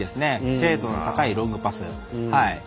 精度の高いロングパス。